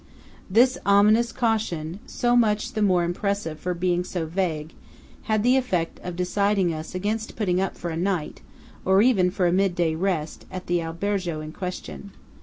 " This ominous caution–so much the more impressive for being so vague–had the effect of deciding us against putting up for a night, or even for a midday rest, at the albergo in question.